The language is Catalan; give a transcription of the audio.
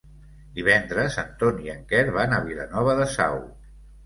Divendres en Ton i en Quer van a Vilanova de Sau.